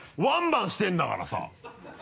ワンバウンドしてるんだからさ！